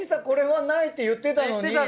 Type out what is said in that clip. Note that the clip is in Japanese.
これはないって言ってたのに。